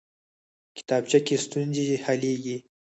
کتابچه کې ستونزې حلېږي